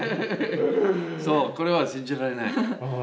これは信じられない。